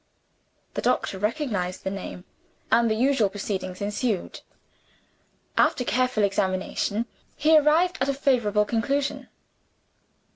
The doctor recognized the name and the usual proceedings ensued. After careful examination, he arrived at a favorable conclusion.